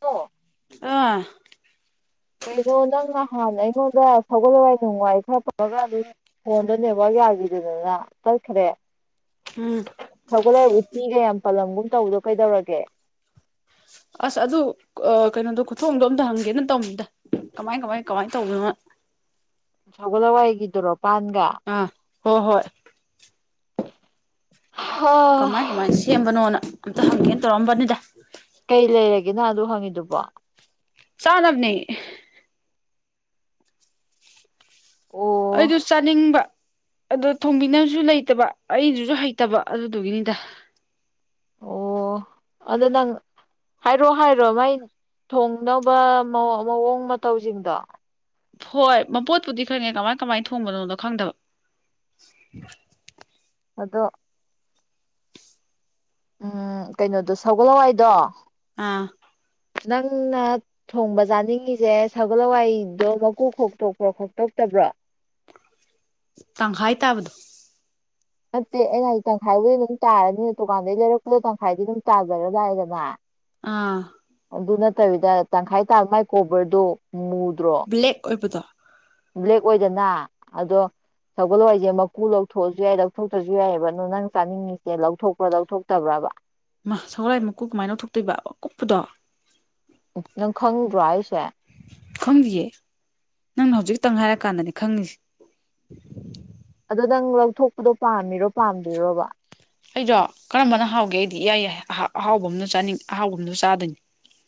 ꯑꯣ ꯑꯥ ꯀꯩꯅꯣ ꯅꯪꯅꯍꯥꯟꯅ ꯑꯩꯉꯣꯟꯗ ꯁꯒꯠꯂꯋꯥꯏ ꯅꯨꯡꯋꯥꯏ ꯈꯔ ꯇꯧꯔꯒ ꯑꯗꯨꯝ ꯐꯣꯟꯗꯣ ꯅꯦꯋꯥꯛ ꯌꯥꯈꯤꯗꯗꯅ ꯆꯠꯈ꯭ꯔꯦ ꯎꯝ [unintelligible] ꯎꯇꯤꯒ ꯌꯥꯝ ꯄꯜꯂꯝꯒꯨꯝ ꯇꯧꯕꯗꯣ ꯀꯩꯗꯧꯔꯒꯦ ꯑꯁ ꯑꯗꯨ ꯀꯩꯅꯣꯗꯣ ꯈꯨꯊꯣꯡꯗꯣ ꯑꯝꯇ ꯍꯪꯒꯦꯅ ꯇꯧꯃꯤꯗ ꯀꯃꯥꯏ ꯀꯃꯥꯏ ꯀꯃꯥꯏꯅ ꯇꯧꯗꯅꯣ ꯁꯒꯣꯜ ꯍꯋꯥꯏꯒꯤꯗꯨꯔꯣ ꯄꯥꯟꯒ ꯑꯥ ꯍꯣ ꯍꯣꯏ ꯍꯥ ꯀꯃꯥꯏ ꯀꯃꯥꯏꯅ ꯁꯦꯝꯕꯅꯣꯅ ꯑꯝꯇ ꯍꯪꯒꯦꯅ ꯇꯧꯔꯝꯕꯅꯤꯗ ꯀꯩ ꯂꯩꯔꯒꯦꯅ ꯑꯗꯨ ꯍꯪꯉꯤꯗꯨꯕꯣ ꯆꯥꯅꯕꯅꯤ ꯑꯣ ꯑꯩꯗꯨ ꯆꯥꯅꯤꯡꯕ ꯑꯗꯣ ꯊꯣꯡꯝꯕꯤꯅꯕꯁꯨ ꯂꯩꯇꯕ ꯑꯩꯗꯨꯁꯨ ꯍꯩꯇꯕ ꯑꯗꯨꯗꯨꯒꯤꯅꯤꯗ ꯑꯣ ꯑꯗꯨꯗꯣ ꯅꯪ ꯍꯥꯏꯔꯣ ꯍꯥꯏꯔꯣ ꯃꯥꯏ ꯊꯣꯡꯅꯕ ꯃꯑꯣꯡ ꯃꯇꯧꯁꯤꯡꯗꯣ ꯍꯣꯏ ꯃꯄꯣꯠꯄꯨꯗꯤ ꯈꯪꯉꯦ ꯀꯃꯥꯏ ꯀꯃꯥꯏꯅ ꯊꯣꯡꯕꯅꯣꯗꯣ ꯈꯪꯗꯕ ꯑꯗꯣ ꯎꯝ ꯀꯩꯅꯣꯗꯣ ꯁꯧꯒꯜ ꯍꯋꯥꯏꯗꯣ ꯑꯥ ꯅꯪ ꯊꯣꯡꯕ ꯆꯥꯅꯤꯡꯉꯤꯁꯦ ꯁꯒꯣꯜ ꯍꯋꯥꯏꯗꯣ ꯃꯀꯨ ꯈꯣꯛꯇꯣꯛꯄ꯭ꯔꯣ ꯈꯣꯛꯇꯣꯛꯇꯕ꯭ꯔꯣ ꯇꯪꯈꯥꯏ ꯇꯥꯕꯗꯣ ꯅꯠꯇꯦ ꯑꯩꯅ ꯇꯪꯈꯥꯏꯕꯨꯗꯤ ꯑꯗꯨꯝ ꯇꯥꯔꯅꯤꯅ ꯗꯨꯀꯥꯟꯗꯩ ꯂꯩꯔꯛꯄꯗ ꯇꯪꯈꯥꯏꯗꯤ ꯑꯗꯨꯝ ꯇꯥꯖꯔ ꯂꯏꯗꯅ ꯑꯥ ꯑꯗꯨ ꯅꯠꯇꯕꯤꯗ ꯇꯪꯈꯥꯏ ꯇꯥꯕ ꯃꯥꯏ ꯀꯣꯕꯔꯗꯨꯣ ꯃꯨꯗ꯭ꯔꯣ ꯕ꯭ꯂꯦꯛ ꯑꯣꯏꯕꯗꯣ ꯕ꯭ꯂꯦꯛ ꯑꯣꯏꯗꯅ ꯑꯗꯣ ꯁꯧꯒꯠꯂꯛꯏꯁꯦ ꯃꯀꯨ ꯂꯧꯊꯣꯛꯑꯁꯨ ꯌꯥꯏ ꯂꯧꯊꯣꯛꯇ꯭ꯔꯁꯨ ꯌꯥꯏꯑꯕ ꯑ ꯑꯗꯨꯣ ꯅꯪ ꯆꯥꯅꯤꯡꯉꯤꯁꯦ ꯂꯧꯊꯣꯛꯄ꯭ꯔꯥ ꯂꯧꯊꯣꯛꯇꯕ꯭ꯔꯥꯕ ꯃꯥ ꯁꯒꯣꯔꯥꯏ ꯃꯀꯨ ꯀꯃꯥꯏꯅ ꯇꯧꯊꯣꯛꯇꯣꯏꯕ ꯀꯨꯞꯄꯗꯣ ꯅꯪ ꯈꯪꯕ꯭ꯔꯣ ꯑꯩꯁꯦ ꯈꯪꯗꯤꯌꯦ ꯅꯪꯅ ꯍꯧꯖꯤꯛꯇꯪ ꯍꯥꯏꯔꯀꯥꯟꯗꯅꯤ ꯈꯪꯉꯁꯤꯦ ꯑꯗꯨ ꯅꯪ ꯂꯧꯊꯣꯛꯄꯗꯣ ꯄꯥꯝꯃꯤꯔꯣ ꯄꯥꯝꯕꯤꯔꯣꯕ ꯑꯩꯗꯣ ꯀꯔꯝꯕꯅ ꯍꯥꯎꯒꯦ ꯑꯩꯗꯤ ꯏꯌꯥꯏ ꯌꯥꯏ ꯑꯍ ꯑꯍꯥꯎꯕ ꯑꯃꯣ ꯆꯥꯅꯤꯡ ꯑꯍꯥꯎꯕ ꯑꯝꯗ ꯆꯥꯗꯅꯤ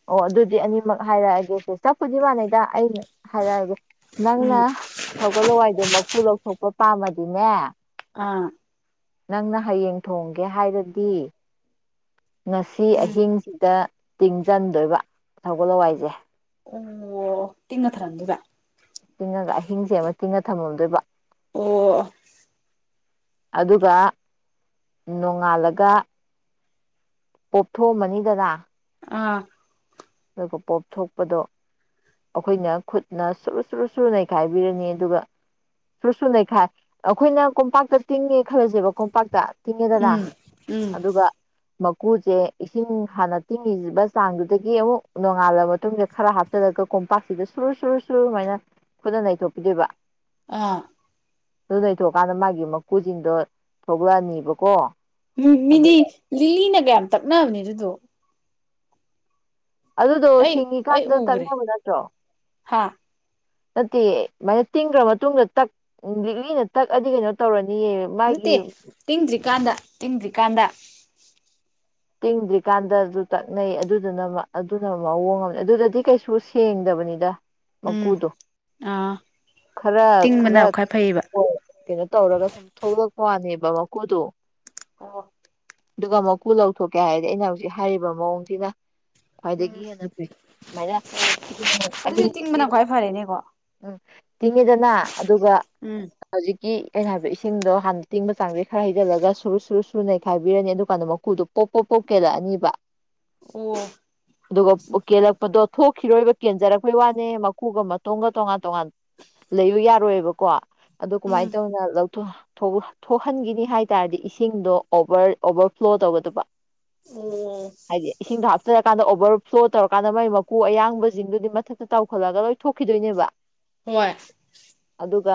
ꯑꯣ ꯑꯗꯨꯗꯤ ꯑꯅꯤꯃꯛ ꯍꯥꯏꯔꯛꯑꯒꯦꯁ ꯆꯥꯛꯄꯨꯗꯤ ꯃꯥꯟꯅꯩꯗ ꯑꯩꯅ ꯍꯥꯏꯔꯛꯑꯒꯦ ꯅꯪꯅ ꯎꯝ ꯁꯒꯜ ꯍꯋꯥꯏꯗꯣ ꯃꯀꯨ ꯂꯧꯊꯣꯛꯄ ꯄꯥꯝꯃꯗꯤꯅꯦ ꯑꯥ ꯅꯪꯅ ꯍꯌꯦꯡ ꯊꯣꯡꯒꯦ ꯍꯥꯏꯔꯗꯤ ꯉꯁꯤ ꯎꯝ ꯑꯍꯤꯡꯁꯤꯗ ꯇꯤꯡ ꯆꯟꯗꯣꯏꯕ ꯊꯒꯜ ꯍꯋꯥꯏꯁꯦ ꯑꯣ ꯇꯤꯉ ꯊꯔ ꯑꯗꯨꯕ ꯇꯤꯡꯉꯒ ꯑꯍꯤꯡꯁꯦ ꯑꯃ ꯇꯤꯡꯉ ꯊꯝꯃꯝꯗꯣꯏꯕ ꯑꯣ ꯑꯗꯨꯒ ꯅꯣꯡꯉꯥꯜꯂꯒ ꯑꯣꯣꯞꯊꯣꯛꯑꯝꯃꯅꯤ ꯗꯗꯥ ꯑꯥ ꯑꯗꯨꯒ ꯄꯣꯞ ꯊꯣꯛꯄꯗꯣ ꯑꯩꯈꯣꯏꯅ ꯈꯨꯠꯅ ꯁꯨꯔ ꯁꯨꯔꯨ ꯁꯨꯔ ꯅꯩꯈꯥꯏꯕꯤꯔꯅꯤ ꯑꯗꯨꯒ ꯁꯨ ꯁ ꯂꯩꯩꯈꯥꯏ ꯑꯩꯈꯣꯏꯅ ꯀꯣꯝꯄꯥꯛꯇ ꯇꯤꯡꯉꯦ ꯈꯜꯂꯁꯦꯕ ꯀꯣꯝꯄꯥꯛꯇ ꯇꯤꯡꯉꯦꯗꯅ ꯎꯝ ꯎꯝ ꯑꯗꯨꯒ ꯃꯀꯨꯁꯦ ꯏꯁꯤꯡ ꯍꯥꯟꯅ ꯇꯤꯡꯉꯤꯕ ꯆꯥꯡꯗꯨꯗꯒꯤ ꯑꯃꯨꯛ ꯅꯣꯡꯉꯥꯜꯂꯕ ꯃꯇꯨꯡꯗ ꯈꯔ ꯍꯥꯞꯆꯜꯂꯒ ꯀꯣꯝꯄꯥꯛꯁꯤꯗ ꯁꯨꯔ ꯁꯨꯔ ꯁꯨꯔꯨ ꯁꯨꯃꯥꯏꯅ ꯈꯨꯠ ꯅꯩꯊꯣꯛꯄꯤꯗꯣꯏꯕ ꯑꯥ ꯑꯗꯨ ꯅꯩꯊꯣꯛꯀꯥꯟꯗ ꯃꯥꯒꯤ ꯃꯀꯨꯁꯤꯡꯗꯣ ꯊꯣꯛꯂꯛꯑꯅꯤꯕꯀꯣ ꯎꯝ ꯃꯤꯅꯤ ꯑꯗꯨꯒ ꯂꯤꯂꯤꯅ ꯀꯌꯥꯝ ꯇꯛꯅꯕꯅꯦ ꯑꯗꯨꯗꯣ ꯑꯗꯨꯗꯣ ꯑꯩ ꯑꯩ ꯍꯤꯡꯉꯤꯀꯥꯟꯗ ꯎꯈ꯭ꯔꯦ ꯇꯪꯅꯕ ꯅꯠꯇ꯭ꯔꯣ ꯍꯥ ꯅꯠꯇꯦ ꯑꯗꯨꯃꯥꯏꯅ ꯇꯤꯡꯈ꯭ꯔ ꯃꯇꯨꯡꯗ ꯇꯛ ꯂꯤꯛꯂꯤꯅ ꯇꯛꯑꯗꯤ ꯀꯩꯅꯣ ꯇꯧꯔꯅꯤꯌꯦ ꯃꯥꯒꯤ ꯅꯠꯇꯦ ꯇꯤꯡꯗ꯭ꯔꯤꯀꯥꯟꯗ ꯇꯤꯡꯗ꯭ꯔꯤꯀꯥꯟꯗ ꯇꯤꯡꯗ꯭ꯔꯤꯀꯥꯟꯗ ꯑꯗꯨ ꯇꯛꯅꯩ ꯑꯗꯨꯗꯨꯅ ꯑꯗꯨꯅ ꯃꯑꯣꯡ ꯑꯃ ꯑꯗꯨꯗꯗꯤ ꯀꯩꯁꯨ ꯁꯦꯡꯗꯕꯅꯤꯗ ꯎꯝ ꯃꯀꯨꯗꯣ ꯑꯥ ꯈꯔ ꯇꯤꯡꯕꯅ ꯈꯔ ꯈ꯭ꯋꯥꯏ ꯐꯩꯌꯦꯕ ꯀꯩꯅꯣ ꯇꯧꯔꯒ ꯁꯨꯝ ꯊꯣꯛꯂꯛꯄ ꯋꯥꯅꯦꯕ ꯃꯈꯨꯗꯣ ꯑꯣ ꯑꯗꯨꯒ ꯃꯀꯨ ꯂꯧꯊꯣꯛꯀꯦ ꯍꯥꯏꯔꯗꯤ ꯑꯩꯅ ꯍꯧꯖꯤꯛ ꯍꯥꯏꯔꯤꯕ ꯃꯑꯣꯡꯁꯤꯅ ꯎꯝ ꯈ꯭ꯋꯥꯏꯗꯒꯤ ꯍꯦꯟꯅ ꯐꯏ ꯁꯨꯃꯥꯏꯅ ꯏ ꯑꯗꯨꯗꯤ ꯑꯍꯤꯡ ꯇꯤꯡꯕꯅ ꯈ꯭ꯋꯥꯏ ꯐꯔꯦꯅꯦꯀꯣ ꯎꯝ ꯇꯤꯡꯉꯤꯗꯅ ꯑꯗꯨꯒ ꯎꯝ ꯍꯧꯖꯤꯛꯀꯤ ꯑꯩꯅ ꯍꯥꯏꯕ ꯏꯁꯤꯡꯗꯣ ꯍꯥꯟꯅ ꯇꯤꯡꯕ ꯆꯥꯡꯁꯩ ꯈꯔ ꯍꯩꯖꯤꯜꯂꯒ ꯁꯨꯔꯨꯞ ꯁꯨꯔꯠ ꯁꯨꯔꯨ ꯅꯩꯈꯥꯏꯕꯤꯔꯅꯤ ꯑꯗꯨꯀꯥꯟꯗ ꯃꯀꯨꯗꯨꯣ ꯄꯣꯛꯄꯣ ꯄꯣꯛꯀꯦꯔꯑꯅꯤꯕ ꯑꯣ ꯑꯗꯨꯒ ꯀꯦꯜꯂꯛꯄꯗꯣ ꯊꯣꯛꯈꯤꯔꯣꯏꯕ ꯀꯦꯟꯖꯔꯛꯄꯩ ꯋꯥꯅꯦ ꯃꯀꯨꯒ ꯃꯇꯣꯟꯒ ꯇꯣꯉꯥꯟ ꯇꯣꯉꯥꯟ ꯂꯩꯕ ꯌꯥꯔꯣꯏꯕꯀꯣ ꯑꯗꯨ ꯎꯝ ꯀꯃꯥꯏꯅ ꯇꯧꯅ ꯂꯧ ꯊꯣꯛꯍꯟꯈꯤꯅꯤ ꯍꯥꯏ ꯇꯥꯔꯗꯤ ꯏꯁꯤꯡꯗꯣ ꯑꯣꯚꯔ ꯑꯣꯕꯔꯐ꯭ꯂꯣ ꯇꯧꯒꯗꯕ ꯑꯣ ꯍꯥꯏꯗꯤ ꯏꯁꯤꯡꯗꯣ ꯍꯥꯞꯆꯔꯀꯥꯟꯗ ꯑꯣꯕꯔ ꯐ꯭ꯂꯣ ꯇꯧꯔꯀꯥꯟꯗ ꯃꯒꯤ ꯃꯀꯨ ꯑꯌꯥꯡꯕꯁꯤꯡꯗꯨꯗꯤ ꯃꯊꯛꯇ ꯇꯧꯈꯠꯂꯒ ꯂꯣꯏ ꯊꯣꯛꯈꯤꯗꯣꯏꯅꯦꯕ ꯍꯣꯏ ꯑꯗꯨꯒ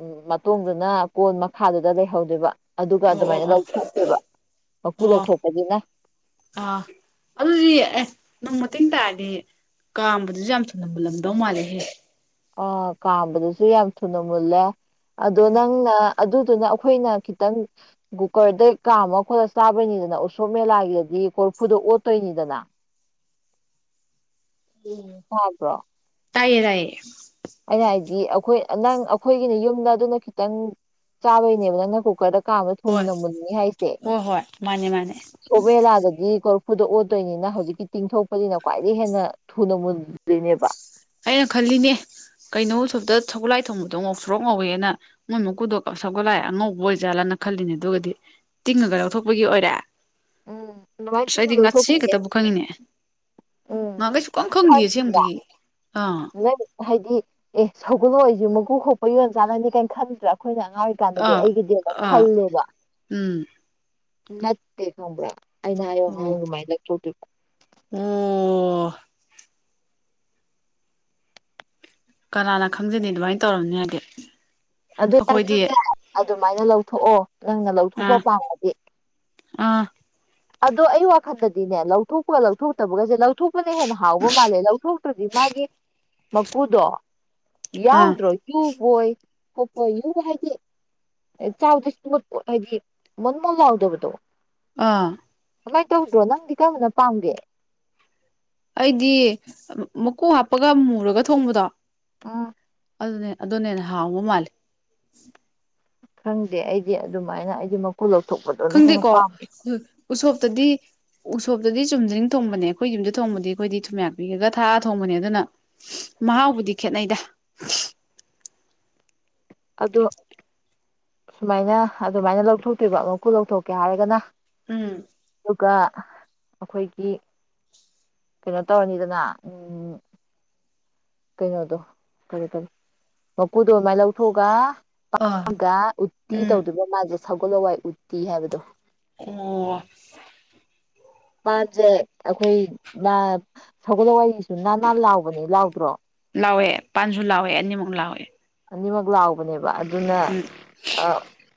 ꯎꯝ ꯃꯇꯣꯡꯗꯨꯅ ꯀꯣꯟ ꯃꯈꯥꯗꯨꯗ ꯂꯩꯍꯧꯗꯕ ꯑꯗꯨꯒ ꯑꯣ ꯑꯣ ꯑꯗꯨꯃꯥꯏꯅ ꯑꯣ ꯂꯧꯊꯣꯛꯇꯦꯕ ꯃꯀꯨ ꯂꯧꯊꯣꯛꯄꯒꯤꯅ ꯑ ꯑꯗꯨꯗꯤ ꯑꯦ ꯅꯪ ꯃꯇꯦꯡ ꯇꯥꯔꯗꯤ ꯀꯥꯝꯕꯗꯨꯁꯨ ꯌꯥꯝ ꯊꯝꯂꯝꯕ ꯂꯝꯗꯧ ꯃꯥꯜꯂꯦꯍꯦ ꯑ ꯀꯥꯝꯕꯗꯁꯨ ꯌꯥꯝ ꯊꯨꯅ ꯃꯨꯜꯂꯦ ꯑꯗꯣ ꯅꯪꯅ ꯑꯗꯨꯗꯨꯅ ꯑꯩꯈꯣꯏꯅ ꯈꯤꯇꯪ ꯒꯨꯀꯔꯗꯩ ꯀꯥꯝ ꯑꯃ ꯈꯣꯠꯂꯒ ꯆꯥꯕꯩꯅꯤꯗꯅ ꯎꯁꯣꯞ ꯃꯦꯂꯥꯒꯤꯗꯗꯤ ꯀꯣꯔꯐꯨꯗ ꯑꯣꯠꯇꯣꯏꯅꯤꯗꯅ ꯎꯝ ꯍꯕ꯭ꯔꯣ ꯇꯥꯏꯌꯦ ꯇꯥꯏꯌꯦ ꯑꯩꯅ ꯍꯥꯏꯗꯤ ꯑꯩꯈꯣꯏ ꯅꯪ ꯑꯩꯈꯣꯏꯒꯤꯅꯦ ꯌꯨꯝꯗ ꯑꯗꯨꯅ ꯈꯤꯇꯪ ꯆꯥꯕꯩꯅꯦꯕ ꯅꯪꯅ ꯀꯨꯀꯔꯗ ꯀꯥꯕ ꯊꯨꯝ ꯍꯣꯏ ꯅꯃꯅꯤ ꯍꯥꯏꯁꯦ ꯍꯣꯏ ꯍꯣꯏ ꯃꯥꯅꯦ ꯃꯥꯅꯦ ꯁꯣꯕꯦꯂꯥꯗꯗꯤ ꯀꯣꯔꯐꯨꯗ ꯑꯣꯠꯇꯣꯏꯅꯤꯅ ꯍꯧꯖꯤꯛꯀꯤ ꯇꯤꯡꯊꯣꯛꯄꯅꯤꯅ ꯈ꯭ꯋꯥꯏꯗꯒꯤ ꯍꯦꯟꯅ ꯊꯨꯅ ꯃꯨꯗ꯭ꯔꯤꯅꯦꯕ ꯑꯩꯅ ꯈꯜꯂꯤꯅꯦ ꯀꯩꯅꯣ ꯁꯣꯇ ꯁꯧꯒꯨꯠꯂꯥꯏ ꯊꯣꯡꯕꯗꯣ ꯉꯧꯁꯣꯔꯣꯛ ꯉꯧꯋꯦꯅ ꯃꯣꯏ ꯃꯀꯨꯗꯣ ꯁꯞꯒꯠꯂꯛꯑꯦ ꯑꯉꯧꯕ ꯑꯣꯏꯖꯥꯠꯂꯅ ꯈꯜꯂꯤꯅꯦ ꯑꯗꯨꯒꯗꯤ ꯇꯤꯡꯉꯒ ꯂꯧꯊꯣꯛꯄꯒꯤ ꯑꯣꯏꯔꯦ ꯎꯝ ꯑꯗꯨꯃꯥꯏꯅ ꯇꯤꯡꯅ ꯁꯣꯏꯗꯤ ꯉꯁꯤ ꯀꯩ ꯂꯧꯊꯣꯛꯄꯁꯦ ꯇꯕꯨ ꯈꯉꯅꯤ ꯎꯝ ꯃꯥ ꯀꯩꯁꯨ ꯀꯝ ꯈꯪꯗꯦꯌꯦꯁꯦꯗꯨꯒꯤ ꯑꯥ ꯅ ꯍꯥꯏꯗꯤ ꯑꯦ ꯁꯒꯜꯂꯏꯁꯨ ꯃꯀꯨ ꯈꯣꯛꯄ ꯌꯣꯟ ꯆꯥꯅꯅꯤ ꯀꯥꯏꯅ ꯈꯟꯗ꯭ꯔꯥ ꯑꯩꯈꯣꯏꯅ ꯑꯉꯥꯡ ꯑꯣꯏꯔꯤ ꯀꯥꯟꯅꯗꯤ ꯑꯥ ꯑꯩꯒꯤꯗꯤꯅ ꯑꯥ ꯈꯜꯂꯦꯕ ꯎꯝ ꯅꯠꯇꯦ ꯈꯪꯕ꯭ꯔꯥ ꯑꯩꯅ ꯍꯥꯏꯌꯣ ꯑꯣ ꯑꯗꯨꯃꯥꯏꯅ ꯑꯣ ꯀꯅꯥꯅ ꯈꯪꯖꯅꯤ ꯑꯗꯨꯃꯥꯏꯅ ꯇꯧꯔꯕꯝꯅꯤ ꯍꯥꯏꯗꯤ ꯑꯩꯈꯣꯏꯗꯤ ꯑꯗꯨꯅꯦ ꯑꯗꯨꯃꯥꯏꯅ ꯂꯧꯊꯣꯛꯑꯣ ꯅꯪꯅ ꯂꯧꯊꯣꯛꯄ ꯑꯥ ꯄꯥꯝꯕ ꯑꯥ ꯑꯗꯣ ꯑꯩ ꯋꯥꯈꯟꯗꯗꯤꯅꯦ ꯂꯧꯊꯣꯛꯄꯒ ꯂꯧꯊꯣꯛꯇꯕꯒꯁꯦ ꯂꯧꯊꯣꯛꯄꯅ ꯍꯦꯟꯅ ꯍꯥꯎꯕ ꯃꯥꯜꯂꯦ ꯂꯧꯊꯣꯛ ꯑꯗꯨꯗꯤ ꯃꯥꯒꯤ ꯃꯀꯨꯗꯣ ꯑꯥ ꯌꯥꯎꯗ꯭ꯔꯣꯏ ꯌꯨꯕꯣꯏ ꯈꯣꯠꯄꯣꯏ ꯌꯨ ꯍꯥꯏꯗꯤ ꯆꯥꯎꯗꯁꯨꯠ ꯄꯣꯠ ꯍꯥꯏꯗꯤ ꯃꯟ ꯃꯣꯣꯟ ꯂꯥꯎꯗꯕꯗꯣ ꯑꯥ ꯀꯃꯥꯏꯅ ꯇꯧꯗ꯭ꯔꯣ ꯅꯪꯗꯤ ꯀꯔꯝꯕꯅ ꯄꯥꯝꯒꯦ ꯑꯩꯗꯤ ꯃꯀꯨ ꯍꯥꯞꯄꯒ ꯃꯨꯔꯒ ꯊꯣꯡꯕꯗꯣ ꯑꯣ ꯑꯗꯨꯅꯦ ꯑꯗꯨꯅꯦꯅ ꯍꯥꯎꯕ ꯃꯥꯜꯂꯦ ꯈꯪꯗꯦ ꯑꯩꯗꯤ ꯑꯗꯨꯃꯥꯏꯅ ꯑꯩꯗꯤ ꯀꯣ ꯂꯧꯊꯄꯗꯣ ꯈꯪꯗꯦꯀꯣ ꯎꯁꯣꯞꯇꯗꯤ ꯎꯁꯣꯞꯇꯗꯤ ꯆꯨꯝꯗ꯭ꯔꯤꯡ ꯊꯣꯡꯕꯅꯦ ꯑꯩꯈꯣꯏ ꯌꯨꯝꯗ ꯊꯣꯡꯕꯗꯤ ꯑꯩꯈꯣꯏꯗꯤ ꯊꯨꯝꯌꯥꯛ ꯄꯤꯒꯒ ꯊꯥꯛꯑ ꯊꯣꯡꯕꯅꯦ ꯑꯗꯨꯅ ꯃꯍꯥꯎꯕꯨꯗꯤ ꯈꯦꯠꯅꯩꯗ ꯑꯗꯣ ꯁꯨꯃꯥꯏꯅ ꯑꯗꯨꯃꯥꯏꯅ ꯂꯧꯊꯣꯛꯇꯣꯏꯕ ꯃꯀꯨ ꯂꯧꯊꯣꯛꯀꯦ ꯍꯥꯏꯔꯒꯅ ꯎꯝ ꯑꯗꯨꯒ ꯑꯩꯈꯣꯏꯒꯤ ꯀꯩꯅꯣ ꯇꯧꯔꯅꯤꯗꯅ ꯎꯝ ꯀꯩꯅꯣꯗꯣ ꯀꯔꯤ ꯀꯔꯤ ꯃꯀꯨꯗꯣ ꯑꯗꯨꯃꯥꯏ ꯂꯧꯊꯣꯛꯑꯒ ꯑꯥ [unintelligible] ꯎꯠꯇꯤ ꯎꯝ ꯇꯧꯗꯣꯏꯕ ꯃꯥꯁꯦ ꯁꯒꯣꯜ ꯍꯋꯥꯏ ꯎꯠꯇꯤ ꯍꯥꯏꯕꯗꯣ ꯑꯣ ꯄꯟꯖꯦ ꯑꯩꯈꯣꯏ ꯃꯥ ꯁꯒꯣꯜꯋꯥꯏꯒꯤꯁꯨ ꯅꯥꯟ ꯅꯥꯥꯟ ꯂꯥꯎꯕꯅꯦ ꯂꯥꯎꯗ꯭ꯔꯣ ꯂꯥꯎꯋꯦ ꯄꯥꯟꯁꯨ ꯂꯥꯎꯋꯦ ꯑꯅꯤꯃꯛ ꯂꯥꯎꯋꯦ ꯑꯅꯤꯃꯛ ꯂꯥꯎꯕꯅꯦꯕ ꯑꯗꯨꯅ ꯎꯝ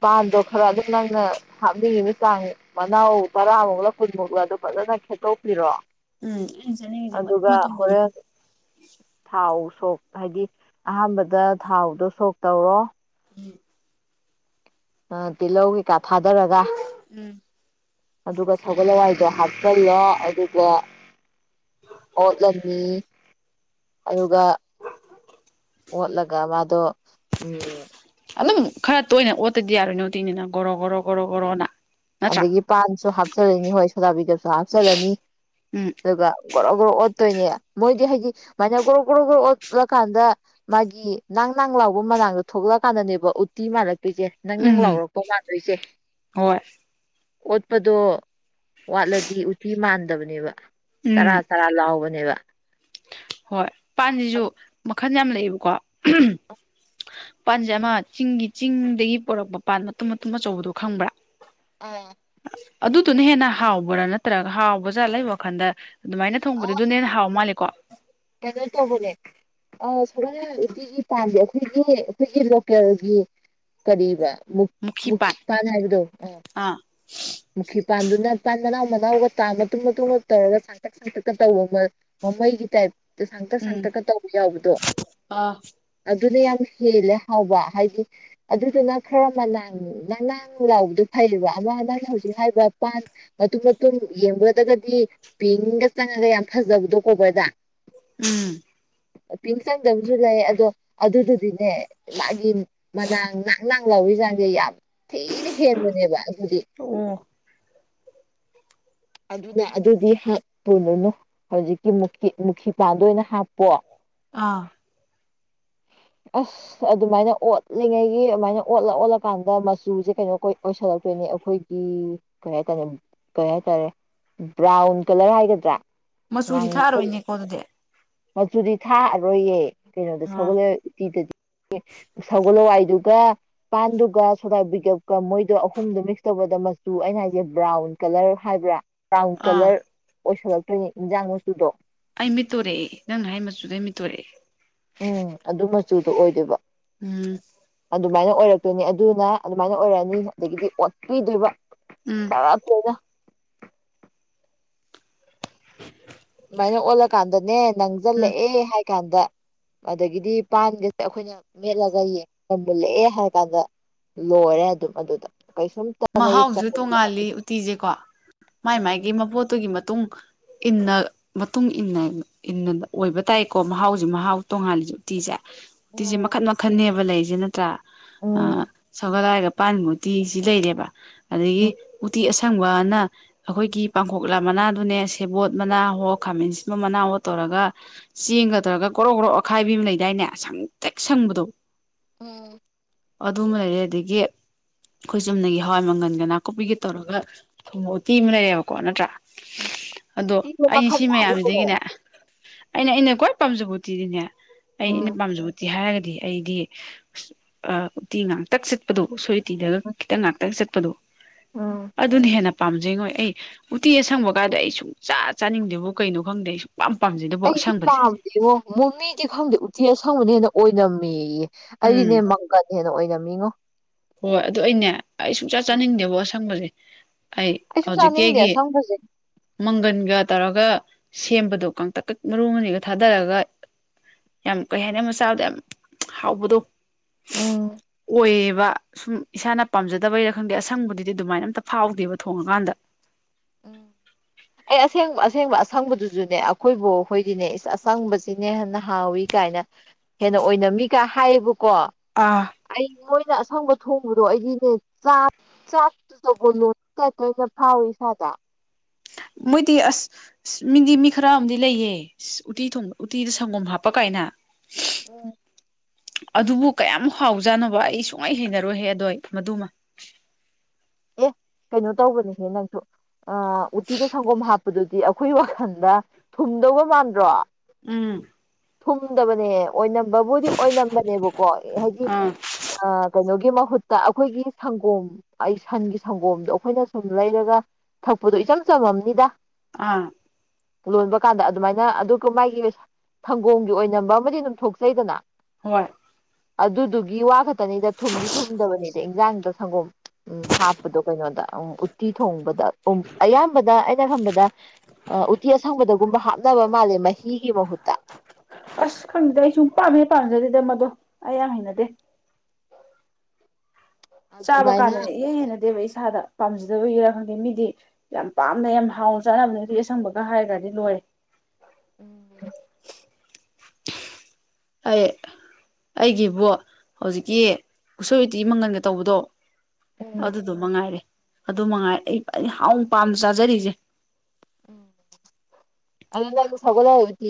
ꯄꯥꯟꯗꯣ ꯈꯔ ꯑꯗꯨꯝ ꯅꯪꯅ ꯍꯥꯞꯅꯤꯡꯉꯤꯕ ꯆꯥꯡ ꯃꯅꯥꯎ ꯇꯔꯥꯃꯨꯛꯂ ꯀꯨꯟꯃꯨꯛꯂꯗꯨ ꯐꯖꯅ ꯈꯦꯠꯇꯣꯛꯄꯤꯔꯣ ꯎꯝ ꯑꯩꯅꯥ ꯆꯥꯅꯤꯡꯉꯦꯖꯦ ꯃꯇꯨꯝ ꯑꯗꯨꯒ ꯃꯇꯨꯝ ꯗꯨꯅꯤ ꯍꯣꯔꯦꯟ ꯊꯥꯎ ꯁꯣꯛ ꯍꯥꯏꯗꯤ ꯑꯍꯥꯟꯕꯗ ꯊꯥꯎꯗꯣ ꯁꯣꯛ ꯇꯧꯔꯣ [unintelligible] ꯇꯤꯜꯍꯧ ꯀꯩꯀꯥ ꯊꯥꯗꯔꯒ ꯎꯝ ꯑꯗꯨꯒ ꯁꯒꯣꯜ ꯍꯋꯥꯏꯗꯣ ꯍꯥꯞꯆꯜꯂꯣ ꯑꯗꯨꯒ ꯑꯣꯠꯂꯅꯤ ꯑꯗꯨꯒ ꯑꯣꯠꯂꯒ ꯃꯥꯗꯣ ꯎꯝ ꯑꯗꯨꯝ ꯈꯔ ꯇꯣꯏꯅ ꯑꯣꯠꯇꯗꯤ ꯌꯥꯔꯣꯏꯅꯦ ꯎꯇꯤꯅꯤꯅ ꯒꯣꯔꯣ ꯒꯣꯔꯣ ꯒꯣꯔꯣ ꯒꯣꯔꯣꯅ ꯅꯠꯇ꯭ꯔꯥ ꯑꯗꯒꯤ ꯄꯥꯟꯁꯨ ꯍꯥꯞꯆꯜꯂꯅꯤ ꯍꯣꯏ ꯁꯣꯗꯥꯕꯩꯒꯥꯞꯁꯨ ꯍꯥꯞꯆꯜꯂꯅꯤ ꯎꯝ ꯑꯗꯨꯒ ꯒ꯭ꯔꯣ ꯒ꯭ꯔꯣ ꯑꯣꯠꯇꯣꯏꯅꯦ ꯃꯣꯏꯗꯤ ꯍꯥꯏꯗꯤ ꯃꯥꯏꯅ ꯒ꯭ꯔꯣ ꯒ꯭ꯔꯣ ꯒ꯭ꯔꯣ ꯑꯣꯠꯂꯀꯥꯟꯗ ꯃꯥꯒꯤ ꯅꯪ ꯅꯪ ꯂꯥꯎꯕ ꯃꯅꯥꯡꯗꯣ ꯊꯣꯛꯂꯛꯑꯀꯥꯟꯗꯅꯦꯕ ꯎꯇꯤ ꯃꯥꯜꯂꯛꯇꯣꯏꯁꯦ ꯅꯪ ꯅꯪ ꯎꯝ ꯂꯥꯎꯔꯛꯄ ꯃꯥꯟꯗꯣꯏꯁꯦ ꯍꯣꯏ ꯑꯣꯠꯄꯗꯣ ꯋꯥꯠꯂꯗꯤ ꯎꯇꯤ ꯃꯥꯟꯗꯕꯅꯦꯕ ꯆꯔꯥ ꯎꯝ ꯆꯔꯥ ꯂꯥꯎꯕꯅꯦꯕ ꯍꯣꯏ ꯄꯥꯟꯁꯤꯁꯨ ꯃꯈꯟ ꯌꯥꯝ ꯂꯩꯌꯦꯕꯀꯣ ꯄꯥꯟꯁꯦ ꯑꯃ ꯆꯤꯡꯒꯤ ꯆꯤꯡꯗꯒꯤ ꯄꯣꯔꯛꯄ ꯄꯥꯟ ꯃꯇꯨꯝ ꯃꯇꯨꯝ ꯑꯆꯧꯕꯗꯣ ꯈꯪꯕ꯭ꯔꯥ ꯑ ꯑꯗꯨꯗꯨꯅ ꯍꯦꯟꯅ ꯍꯥꯎꯕ꯭ꯔꯥ ꯅꯠꯇ꯭ꯔꯒ ꯍꯥꯎꯕ ꯖꯥꯠꯂ ꯑꯩ ꯋꯥꯈꯟꯗ ꯑꯗꯨꯃꯥꯏꯅ ꯊꯣꯡꯕꯗꯨ ꯗꯨꯅ ꯍꯦꯟꯅ ꯍꯥꯎ ꯃꯥꯜꯂꯦꯀꯣ ꯀꯩꯅꯣ ꯇꯧꯕꯅꯦ ꯑ ꯁꯒꯣꯜ ꯍꯋ꯭ꯥꯏ ꯎꯇꯤꯒꯤ ꯄꯥꯟꯁꯦ ꯑꯩꯈꯣꯏꯒꯤ ꯑꯩꯈꯣꯏꯒꯤ ꯂꯣꯀꯦꯜꯒꯤ ꯀꯔꯤꯕ ꯃꯨꯈꯤ ꯃꯨꯈꯤ ꯄꯥꯟ ꯍꯥꯏꯕꯗꯣ ꯑꯥ ꯃꯨꯈꯤ ꯄꯥꯟꯗꯨꯅ ꯄꯥꯟ ꯃꯅꯥꯎ ꯃꯅꯥꯎꯒ ꯇꯥ ꯃꯇꯨꯝ ꯃꯇꯨꯝꯒ ꯇꯧꯔꯒ ꯁꯥꯡꯇꯛ ꯁꯥꯡꯇꯛꯀ ꯇꯧꯕ ꯃꯃꯩꯒꯤ ꯇꯥꯏꯞꯇ ꯁꯥꯡꯇꯛ ꯎꯝ ꯁꯥꯡꯇꯛꯀ ꯇꯧꯕ ꯌꯥꯎꯕꯗꯣ ꯑꯥ ꯑꯗꯨꯅ ꯌꯥꯝ ꯍꯦꯜꯂꯦ ꯍꯥꯎꯕ ꯍꯥꯏꯗꯤ ꯑꯗꯨꯗꯨꯅ ꯈꯔ ꯃꯅꯥꯥꯡ ꯅꯥꯡ ꯅꯥꯡ ꯂꯥꯎꯕꯗꯨ ꯐꯩꯌꯦꯕ ꯑꯃ ꯅꯪꯅ ꯍꯧꯖꯤꯛ ꯍꯥꯏꯔꯤꯕ ꯄꯟ ꯃꯇꯨꯝ ꯃꯇꯨꯝ ꯌꯦꯡꯕꯗꯒꯗꯤ ꯄꯤꯡꯒ ꯆꯪꯉꯒ ꯌꯥꯝ ꯐꯖꯕꯗꯣ ꯀꯣꯕꯔꯗ ꯎꯝ ꯄꯤꯡ ꯆꯪꯗꯕꯁꯨ ꯂꯩ ꯑꯗꯣ ꯑꯗꯨꯗꯨꯗꯤꯅꯦ ꯃꯥꯒꯤ ꯃꯅꯡ ꯅꯡ ꯅꯡ ꯂꯥꯎꯕꯩ ꯆꯥꯡꯁꯦ ꯌꯥꯝ ꯊꯤꯅ ꯍꯦꯟꯕꯅꯦꯕ ꯑꯗꯨꯗꯤ ꯑꯣ ꯑꯗꯨꯅ ꯑꯗꯨꯗꯤ ꯍꯥꯄꯨꯅꯨꯉꯣ ꯍꯧꯖꯤꯛꯀꯤ ꯃꯨꯀꯤ ꯃꯨꯈꯤ ꯄꯥꯟꯗꯣ ꯑꯣꯏꯅ ꯍꯥꯞꯄꯣ ꯑꯥ ꯑꯁ ꯑꯗꯨꯃꯥꯏꯅ ꯑꯣꯠꯂꯤꯉꯩꯒꯤ ꯑꯗꯨꯃꯥꯏꯅ ꯑꯣꯠꯂ ꯑꯣꯠꯂꯀꯥꯟꯗ ꯃꯆꯨꯁꯦ ꯀꯩꯅꯣ ꯀꯣꯏ ꯑꯣꯏꯁꯜꯂꯛꯇꯣꯏꯅꯦ ꯑꯩꯈꯣꯏ ꯎꯝ ꯀꯩꯌꯥꯏ ꯇꯥꯔꯦ ꯀꯩꯌꯥꯏꯇꯔꯦ ꯕ꯭ꯔꯥꯎꯟ ꯀꯂꯔ ꯍꯥꯏꯒꯗ꯭ꯔꯥ ꯃꯆꯨꯗꯤ ꯉꯥꯡꯁꯤꯟ ꯊꯥꯛꯑꯔꯣꯏꯅꯦꯀꯣ ꯑꯗꯨꯗꯤ ꯃꯆꯨꯗꯤ ꯊꯥꯛꯑꯔꯣꯏꯌꯦ ꯀꯩꯅꯣꯗ ꯑꯥ ꯁꯒꯣꯜ ꯎꯇꯤꯗꯗꯤ ꯁꯧꯒꯜ ꯍꯋꯥꯏꯗꯨꯒ ꯄꯥꯟꯗꯨꯒ ꯁꯣꯗꯥ ꯕꯤꯒꯞꯀ ꯃꯣꯏꯗꯣ ꯑꯍꯨꯝꯗꯣ ꯃꯤꯛꯁ ꯇꯧꯕꯗ ꯃꯆꯨ ꯑꯩꯅ ꯍꯥꯏꯁꯦ ꯕ꯭ꯔꯥꯎꯟ ꯀꯂꯔ ꯍꯥꯏꯕ꯭ꯔꯥ ꯕ꯭ꯔꯥꯎꯟ ꯑꯥ ꯀꯂꯔ ꯑꯣꯏꯁꯜꯂꯛꯇꯣꯏꯅꯦ ꯏꯟꯖꯥꯡ ꯃꯆꯨꯗꯣ ꯑꯩ ꯃꯤꯠꯇ ꯎꯔꯛꯑꯦ ꯅꯪꯅ ꯍꯥꯏ ꯃꯆꯨꯗ ꯃꯤꯠꯇ ꯎꯔꯛꯑꯦ ꯎꯝ ꯑꯗꯨ ꯃꯆꯨꯗꯣ ꯑꯣꯏꯗꯨꯕ ꯎꯝ ꯑꯗꯨꯃꯥꯏꯅ ꯑꯣꯏꯔꯛꯇꯣꯏꯅꯤ ꯑꯗꯨꯅ ꯑꯗꯨꯃꯥꯏꯅ ꯑꯣꯏꯔꯛꯑꯅꯤ ꯑꯗꯒꯤꯗꯤ ꯑꯣꯠꯄꯤꯗ꯭ꯔꯕ ꯎꯝ ꯆꯥꯔꯛꯇ꯭ꯔꯤꯗ [inaudible] ꯁꯨꯃꯥꯏꯅ ꯑꯣꯜꯂꯀꯥꯟꯗꯅꯦ ꯎꯝ ꯅꯪꯁꯤꯜꯂꯛꯑꯦ ꯍꯥꯏ ꯀꯥꯟꯗ ꯑꯗꯒꯤꯗꯤ ꯄꯥꯟꯒꯁꯦ ꯑꯩꯈꯣꯏꯅ ꯃꯦꯠꯂꯒ ꯌꯦꯡꯒ ꯃꯨꯜꯂꯛꯑꯦ ꯍꯥꯏꯔ ꯀꯥꯟꯗ ꯂꯣꯏꯔꯦ ꯑꯗꯨꯝ ꯑꯗꯨꯗ ꯀꯩꯁꯨꯝ ꯃꯍꯥꯎꯁꯨ ꯇꯣꯡꯉꯥꯜꯂꯤ ꯎꯇꯤꯁꯦꯀꯣ ꯃꯥꯏ ꯎꯝ ꯃꯥꯥꯏꯒꯤ ꯃꯄꯣꯠꯇꯨꯒꯤ ꯃꯇꯨꯡ ꯏꯟꯅ ꯃꯇꯨꯡ ꯏꯟꯅ ꯏꯟꯅ ꯑꯣꯏꯕ ꯇꯥꯏꯀꯣ ꯃꯍꯥꯎꯁꯦ ꯃꯍꯥꯎ ꯇꯣꯡꯉꯥꯜꯂꯤꯁꯦ ꯎꯇꯤꯁꯦ ꯎꯇꯤꯁꯦ ꯎꯝ ꯃꯈꯟ ꯃꯈꯟꯅꯅꯦꯕ ꯂꯩꯔꯤꯁꯦ ꯅꯠꯇ꯭ꯔꯥ ꯁꯒꯣꯜꯍꯋꯥꯏꯒ ꯄꯥꯟꯕ ꯎꯇꯤ ꯁꯤ ꯂꯩꯔꯦꯕ ꯑꯗꯒꯤ ꯎꯝ ꯎꯇꯤ ꯑꯁꯪꯕꯅ ꯑꯩꯈꯣꯏꯒꯤ ꯄꯥꯡꯈꯣꯛꯂꯥ ꯃꯅꯥꯗꯨꯅꯦ ꯁꯦꯕꯣꯠ ꯃꯅꯥꯍꯣ ꯈꯥꯃꯦꯟ ꯑꯁꯤꯟꯕ ꯃꯅꯥꯍꯣ ꯇꯧꯔꯒ ꯆꯦꯡꯒ ꯇꯧꯔꯒ ꯒ꯭ꯔꯣꯛ ꯒ꯭ꯔꯣ ꯑꯈꯥꯏꯕꯤ ꯑꯃ ꯂꯩꯗꯥꯏꯅꯦ ꯁꯪꯇꯔꯛ ꯁꯪꯕꯗꯣ ꯎꯝ ꯑꯗꯨꯝꯃ ꯂꯩꯔꯦ ꯑꯗꯒꯤ ꯑꯩꯈꯣꯏ ꯆꯨꯝꯅꯒꯤ ꯍꯋꯥꯏ ꯃꯪꯒꯟꯒ ꯅꯥꯀꯨꯞꯄꯤꯒꯤ ꯇꯧꯔꯒ ꯊꯨꯝꯕ ꯎꯇꯤ ꯑꯃ ꯂꯩꯔꯦꯕꯀꯣ ꯅꯠꯇ꯭ꯔꯥ ꯑꯗꯣ ꯎꯆꯤꯗꯣ ꯑꯩꯩꯅ ꯃꯈꯜ ꯁꯤ ꯃꯌꯥꯝꯁꯤꯗꯒꯤꯅꯦ ꯌꯥꯝꯃꯤꯀꯣ ꯑꯩꯅ ꯑꯩꯅ ꯈ꯭ꯋꯥꯏ ꯄꯥꯝꯖꯕ ꯎꯇꯤꯗꯤꯅꯦ ꯑꯩ ꯑꯩꯅ ꯎꯝ ꯄꯥꯝꯖꯕ ꯍꯥꯏꯔꯒꯗꯤ ꯑꯩꯗꯤ ꯑ ꯎꯇꯤ ꯉꯥꯛꯇꯛ ꯆꯤꯠꯄꯗꯣ ꯎꯁꯣꯏ ꯎꯇꯤꯗꯒ ꯈꯤꯇꯪ ꯉꯥꯛ ꯆꯠꯄꯗꯣ ꯎꯝ ꯑꯗꯨꯅ ꯍꯦꯟꯅ ꯄꯥꯝꯖꯩꯉꯣꯏ ꯑꯩ ꯎꯇꯤ ꯑꯁꯪꯕ ꯀꯥꯗꯣ ꯑꯩ ꯁꯨꯡ ꯆꯥ ꯆꯥꯅꯤꯡꯗꯦꯕꯣ ꯀꯩꯅꯣ ꯈꯪꯗꯦ ꯑꯩ ꯌꯥꯝ ꯄꯥꯝꯖꯩꯗꯣ ꯑꯩꯁꯨ ꯄꯥꯝꯗꯦꯉꯣ ꯃꯣꯏꯃꯤꯗꯤ ꯈꯪꯗꯦ ꯎꯇꯤ ꯑꯁꯪꯕꯅ ꯍꯦꯟꯅ ꯑꯣꯏꯅꯝꯃꯦꯌꯦ ꯎꯝ ꯑꯩꯗꯤꯅꯦ ꯃꯪꯒꯟꯅ ꯍꯦꯟꯅ ꯑꯣꯏꯅꯝ ꯃꯤꯉꯣ ꯍꯣꯏ ꯑꯗꯨ ꯑꯩꯅꯦ ꯑꯩ ꯁꯨꯡꯆꯥ ꯆꯥꯅꯤꯡꯗꯦꯕꯣ ꯑꯁꯪꯕꯁꯦ ꯑꯩ ꯑꯩꯁꯨ ꯍꯧꯖꯤꯛ ꯆꯥꯅꯤꯡꯗꯦ ꯀꯦꯒꯤ ꯑꯁꯪꯕꯁꯦ ꯃꯪꯒꯟꯒ ꯇꯧꯔꯒ ꯁꯦꯝꯕꯗꯣ ꯀꯪꯇꯛꯀ ꯃꯔꯨ ꯑꯅꯤꯒ ꯊꯥꯗꯔꯒ ꯌꯥꯝ ꯀꯩ ꯍꯥꯏꯅꯤ ꯑꯃ ꯆꯥꯕꯗ ꯌꯥꯝ ꯍꯥꯎꯕꯗꯣ ꯎꯝ ꯑꯣꯏꯌꯦꯕ ꯁꯨꯝ ꯏꯁꯥꯅ ꯄꯥꯝꯖꯗꯕꯩꯔ ꯈꯪꯗꯦ ꯑꯁꯪꯕꯗꯨꯗꯤ ꯑꯗꯨꯃꯥꯏꯅ ꯑꯝꯇ ꯐꯥꯎꯗꯦꯕ ꯊꯣꯡꯉꯀꯥꯟꯗ ꯑꯦ ꯑꯁꯦꯡꯕ ꯑꯁꯦꯡꯕ ꯑꯁꯪꯕꯗꯨꯁꯨꯅꯦ ꯑꯩꯈꯣꯏ ꯕꯤꯛ ꯈꯣꯏꯗꯤꯅꯦ ꯑꯁꯪꯕꯁꯤꯅꯦ ꯍꯟꯅ ꯍꯥꯎꯋꯤ ꯀꯥꯏꯅ ꯍꯦꯟꯅ ꯑꯣꯏꯅꯝꯃꯤꯒ ꯍꯥꯏꯌꯦꯕꯀꯣ ꯑꯥ ꯑꯩꯈꯣꯏꯅ ꯑꯁꯪꯕ ꯊꯣꯡꯕꯗꯣ ꯑꯩꯗꯤꯅꯦ ꯆꯥ ꯆꯥꯛ [unintelligible] ꯐꯥꯎꯌꯦ ꯏꯁꯥꯗ ꯃꯣꯏꯗꯤ ꯑꯁ ꯃꯤꯗꯤ ꯃꯤ ꯈꯔ ꯑꯃꯗꯤ ꯂꯩꯌꯦ ꯎꯇꯤ ꯊꯣꯡꯕꯗ ꯎꯇꯤꯗ ꯁꯪꯒꯣꯝ ꯍꯥꯞꯄ ꯀꯥꯏꯅ ꯑꯣ ꯑꯗꯨꯕꯨ ꯀꯌꯥꯝ ꯍꯥꯎꯖꯥꯅꯤꯕ ꯑꯩ ꯁꯨꯡꯍꯩ ꯍꯩꯅꯔꯣꯏꯍꯦ ꯑꯗꯣ ꯑꯩ ꯃꯗꯨꯃ ꯑꯦ ꯀꯩꯅꯣ ꯇꯧꯕꯅꯤꯍꯦ ꯅꯪꯁꯨ ꯑ ꯎꯇꯤꯗ ꯁꯪꯒꯣꯝ ꯍꯥꯞꯄꯗꯨꯗꯤ ꯑꯩꯈꯣꯏ ꯋꯥꯈꯜꯗ ꯊꯨꯝꯗꯧꯕ ꯃꯥꯟꯗ꯭ꯔꯣ ꯎꯝ ꯊꯨꯝꯗꯕꯅꯦ ꯑꯣꯏꯅꯝꯕꯕꯨꯗꯤ ꯑꯣꯏꯅꯝꯕꯅꯦꯕꯀꯣ ꯍꯥꯏꯗꯤ ꯑꯥ ꯑ ꯀꯩꯅꯣꯒꯤ ꯃꯍꯨꯠꯇ ꯑꯩꯈꯣꯏꯒꯤ ꯁꯪꯒꯣꯝ ꯑꯩ ꯁꯟꯒꯤ ꯁꯪꯒꯣꯝꯗꯣ ꯑꯩꯈꯣꯏꯅ ꯁꯨꯝ ꯂꯩꯔꯒ ꯊꯛꯄꯗꯣ ꯏꯆꯝ ꯆꯝꯃꯝꯅꯤꯗ ꯑꯥ ꯂꯣꯟꯕ ꯀꯥꯟꯗ ꯑꯗꯨꯃꯥꯏꯅ ꯑꯗꯨꯒ ꯃꯥꯒꯤ ꯁꯪꯒꯣꯝꯒꯤ ꯑꯣꯏꯅꯝꯕ ꯑꯃꯗꯤ ꯑꯗꯨꯝ ꯊꯣꯛꯆꯩꯗꯅ [inaudible] ꯑꯗꯨꯗꯨꯒꯤ ꯋꯥ ꯈꯛꯇꯅꯤꯗ ꯊꯨꯝꯗꯤ ꯊꯨꯝꯗꯕꯅꯤꯗ ꯏꯟꯖꯥꯡꯗ ꯁꯪꯒꯣꯝ ꯎꯝ ꯍꯥꯞꯄꯗꯣ ꯀꯩꯅꯣꯗ ꯎꯝ ꯎꯠꯇꯤ ꯊꯣꯡꯕꯗ ꯑꯌꯥꯝꯕꯗ ꯑꯩꯅ ꯈꯟꯕꯗ ꯑ ꯎꯇꯤ ꯑꯁꯪꯕꯗꯒꯨꯝꯕ ꯍꯥꯞꯅꯕ ꯃꯥꯜꯂꯦ ꯃꯍꯤꯒꯤ ꯃꯍꯨꯠꯇ ꯑꯁ ꯈꯪꯗꯗꯤ ꯑꯩ ꯁꯨꯝ ꯄꯥꯝ ꯍꯦꯛ ꯄꯥꯝꯖꯗꯦꯗ ꯃꯗꯣ ꯑꯩ ꯌꯥꯝ ꯍꯩꯅꯗꯦ ꯆꯥꯕ ꯑꯗꯨꯃꯥꯏꯅ ꯀꯥꯟꯗꯅꯦ ꯏꯍꯩ ꯍꯩꯅꯗꯦꯕ ꯏꯁꯥꯗ ꯄꯥꯝꯖꯗꯕꯒꯤꯔꯥ ꯈꯪꯗꯦ ꯃꯤꯗꯤ ꯌꯥꯝ ꯄꯥꯝꯅ ꯌꯥꯝ ꯍꯥꯎꯅ ꯆꯥꯅꯕꯅꯦꯗꯤ ꯑꯁꯪꯕꯒ ꯍꯥꯏꯔꯒ꯭ꯔꯗꯤ ꯂꯣꯏꯔꯦ [inaudible] ꯑꯩ ꯑꯩꯒꯤꯕꯨꯣ ꯍꯧꯖꯤꯛꯀꯤ ꯎꯁꯣꯏ ꯎꯇꯤ ꯃꯪꯒꯟꯒ ꯇꯧꯕꯗꯣ ꯑꯗꯨꯗꯣ ꯃꯉꯥꯏꯔꯦ ꯑꯗꯨ ꯃꯉꯥꯏꯔꯦ ꯑꯩ ꯑꯩꯅ ꯍꯥꯎꯅ ꯄꯥꯝꯅ ꯆꯥꯖꯔꯤꯁꯦ ꯎꯝ ꯑꯗꯣ ꯅꯪꯗꯤ ꯁꯒꯨꯂꯥꯢ ꯎꯇꯤ